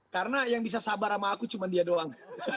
karena yang bisa sabar sama aku cuma dia doang